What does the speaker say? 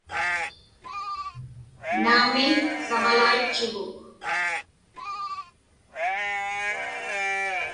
Naumi, savalaitchuguk.